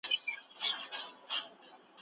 هغه نجلۍ په خپلو خبرو کې ډېره هوښیاره معلومېدله.